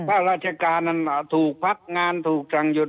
พระราชการถูกพักงานถูกจังหยุด